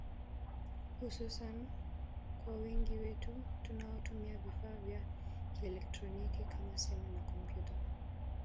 hususan kwa wengi wetu tunaotumia vifaa vya kielectroniki kama simu na kompyuta